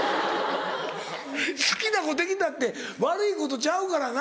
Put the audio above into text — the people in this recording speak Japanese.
好きな子できたって悪いことちゃうからな。